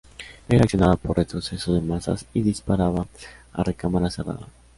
Era accionada por retroceso de masas y disparaba a recámara cerrada.